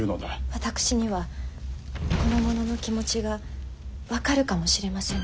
私にはこの者の気持ちが分かるかもしれませぬ。